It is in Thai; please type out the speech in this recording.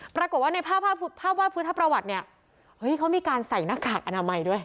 ปรากฏว่าในภาพภาพวาดพุทธประวัติเนี่ยเฮ้ยเขามีการใส่หน้ากากอนามัยด้วย